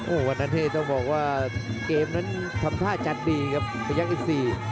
โอ้โหวันนั้นที่ต้องบอกว่าเกมนั้นทำท่าจะดีครับพยักษ์อีกสี่